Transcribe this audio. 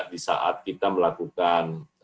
di saat kita melakukan